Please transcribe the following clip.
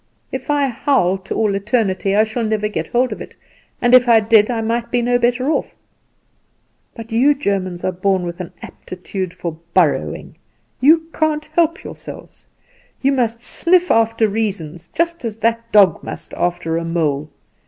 If I howl to all eternity I shall never get hold of it; and if I did I might be no better off. But you Germans are born with an aptitude for borrowing; you can't help yourselves. You must sniff after reasons, just as that dog must after a mole.